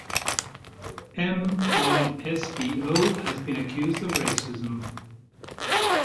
M:svo has been accused of racism.